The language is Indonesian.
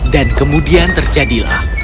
dan kemudian terjadilah